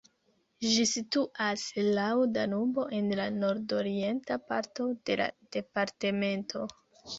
Ĝi situas laŭ Danubo en la nordorienta parto de la departemento.